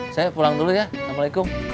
saya pulang dulu ya assalamualaikum